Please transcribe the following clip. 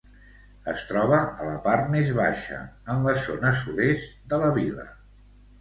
Es troba a la part més baixa, en la zona sud-est de la vila.